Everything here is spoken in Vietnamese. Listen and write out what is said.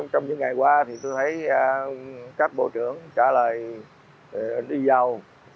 trong những ngày qua tôi thấy các bộ trưởng trả lời đi vào